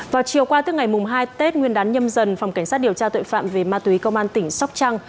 vào chiều qua tức ngày hai tết nguyên đán nhâm dần phòng cảnh sát điều tra tội phạm về ma túy công an tỉnh sóc trăng